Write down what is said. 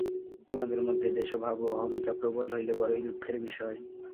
তোমাদের মধ্যে দ্বেষভাব ও অহমিকা প্রবল হইলে বড়ই দুঃখের বিষয়।